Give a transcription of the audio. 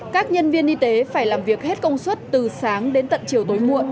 các nhân viên y tế phải làm việc hết công suất từ sáng đến tận chiều tối muộn